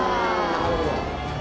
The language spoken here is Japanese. なるほど。